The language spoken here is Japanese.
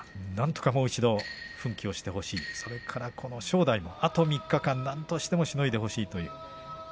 なんとかもう一度奮起してほしいそれから正代もあと３日間なんとかしのいでほしい。